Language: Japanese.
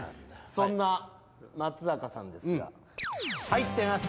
そんな松坂さんですが入ってます。